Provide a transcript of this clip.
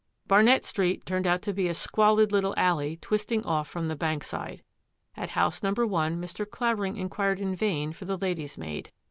Bamet Street proved to be a squalid little alley twisting off from the Bankside. At house number one Mr. Clavering inquired in vain for the lady's maid.